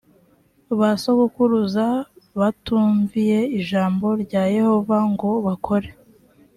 ba sogokuruza batumviye ijambo rya yehova ngo bakore